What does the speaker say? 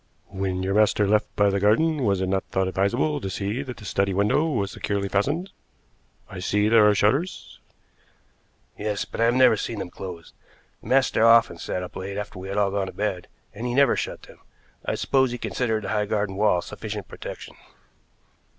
"When your master left by the garden was it not thought advisable to see that the study window was securely fastened? I see there are shutters." "Yes, but I have never seen them closed. The master often sat up late after we had all gone to bed, and he never shut them. I suppose he considered the high garden wall sufficient protection."